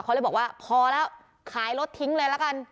เขาเลยบอกว่าพอแล้วขายรถทิ้งเลยละกัน